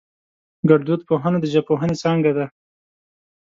گړدود پوهنه د ژبپوهنې څانگه ده